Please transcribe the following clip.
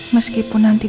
maaf bu sudah waktunya